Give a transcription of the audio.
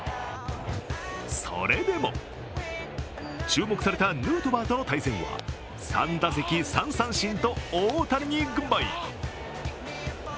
それでも注目されたヌートバーとの対戦は３打席３三振と大谷に軍配。